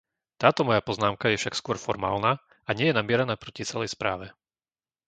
Táto moja poznámka je však skôr formálna a nie je namierená proti celej správe.